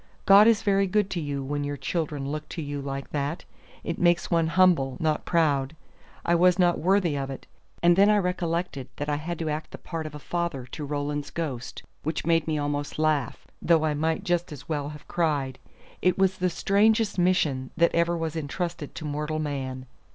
God is very good to you when your children look to you like that. It makes one humble, not proud. I was not worthy of it; and then I recollected that I had to act the part of a father to Roland's ghost, which made me almost laugh, though I might just as well have cried. It was the strangest mission that ever was intrusted to mortal man.